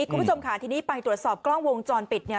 คุณผู้ชมค่ะทีนี้ไปตรวจสอบกล้องวงจรปิดเนี่ย